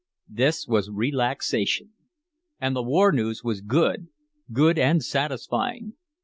This was relaxation. And the war news was good, good and satisfying.